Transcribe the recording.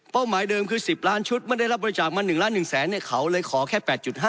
หมายเดิมคือ๑๐ล้านชุดไม่ได้รับบริจาคมา๑ล้าน๑แสนเขาเลยขอแค่๘๕